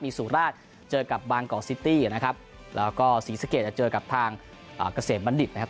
มีสุราชเจอกับบางกอกซิตี้นะครับแล้วก็ศรีสะเกดจะเจอกับทางเกษมบัณฑิตนะครับ